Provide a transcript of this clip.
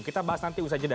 kita bahas nanti usai jeda